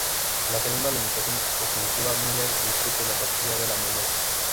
La segunda limitación cognitiva Miller discute la capacidad de la memoria.